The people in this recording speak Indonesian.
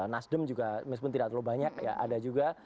nasdem juga meskipun tidak terlalu banyak ya ada juga